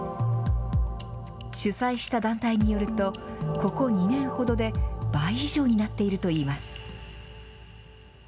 主催した団体によると、ここ２年ほどで倍以上になっているといいます。